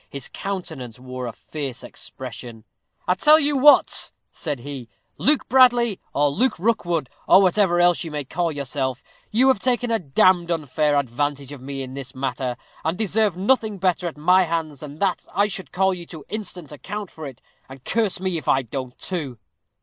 His countenance wore a fierce expression. "I tell you what," said he, "Luke Bradley, or Luke Rookwood, or whatever else you may call yourself, you have taken a damned unfair advantage of me in this matter, and deserve nothing better at my hands than that I should call you to instant account for it and curse me, if I don't too."